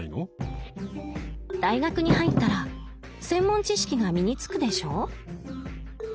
大学に入ったら専門知識が身につくでしょ。